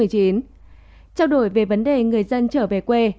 trao đổi về vấn đề người dân trở về quê